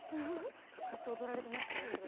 ずっと踊られてましたよ後ろで。